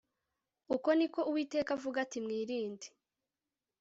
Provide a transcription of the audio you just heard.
uku ni ko uwiteka avuga ati mwirinde